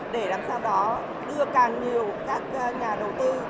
để làm sao đó đưa càng nhiều các nhà đầu tư